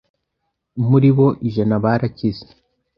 muri bo ijana barakize,